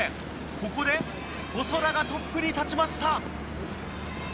ここで細田がトップに立ちました。